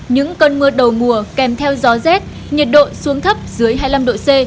những cơn mưa đầu mùa kèm theo gió rét nhiệt độ xuống thấp dưới hai mươi năm độ c